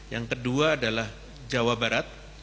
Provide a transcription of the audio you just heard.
yang kedua adalah jawa barat